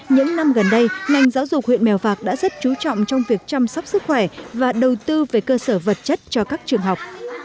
những năm gần đây ngành giáo dục huyện mèo vạc đã rất chú trọng trong việc chăm sóc sức khỏe và đầu tư về cơ sở vật chất cho các trường học